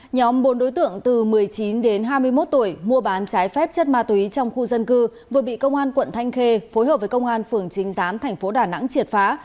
nhóm bốn đối tượng từ một mươi chín đến hai mươi một tuổi mua bán trái phép chất ma túy trong khu dân cư vừa bị công an quận thanh khê phối hợp với công an phường chính gián thành phố đà nẵng triệt phá